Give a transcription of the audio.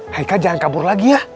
hengka jangan kabur lagi ya